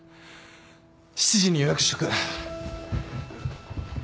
７時に予約しとく。